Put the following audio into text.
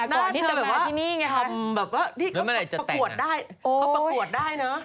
น่าเธอมาที่นี่ไงคะนี่ก็ประกวดได้ประกวดได้เนอะประกวดอะไรคะพี่